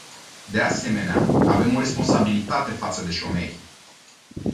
De asemenea, avem o responsabilitate față de șomeri.